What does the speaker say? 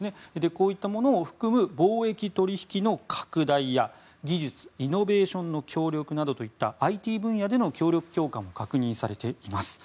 こういったものを含む貿易取引の拡大や技術・イノベーションの協力といったＩＴ分野での協力強化も確認されています。